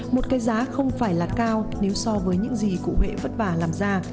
một cái giá không phải là cao nếu so với những gì cụ huệ vất vả làm ra